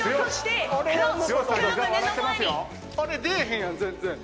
あれ出えへんやん全然。